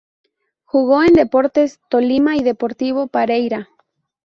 Jugó en Deportes Tolima y Deportivo Pereira.